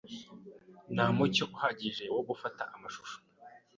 Nta mucyo uhagije wo gufata amashusho.